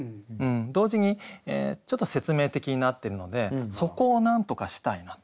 同時にちょっと説明的になってるのでそこをなんとかしたいなと。